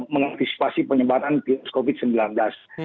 mengaktifasi penyebaran pir covid sembilan belas